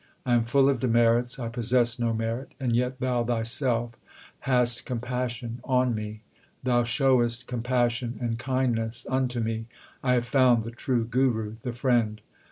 I am full of demerits ; I possess no merit, and yet Thou Thyself hast compassion on me. Thou showest compassion and kindness unto me ; I have found the true Guru, the friend.